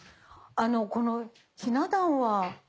このひな壇は？